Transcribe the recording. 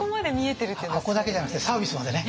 箱だけじゃなくてサービスまでね。